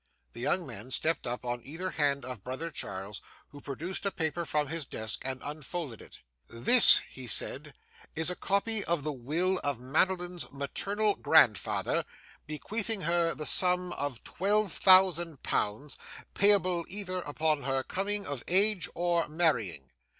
The young men stepped up on either hand of brother Charles, who produced a paper from his desk, and unfolded it. 'This,' he said, 'is a copy of the will of Madeline's maternal grandfather, bequeathing her the sum of twelve thousand pounds, payable either upon her coming of age or marrying.